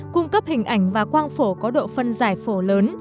cung cấp hình ảnh và quang phổ có độ phân giải phổ lớn